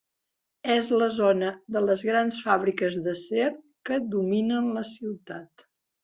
És la zona de les grans fàbriques d'acer que dominen la ciutat.